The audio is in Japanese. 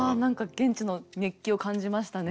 現地の熱気を感じましたね。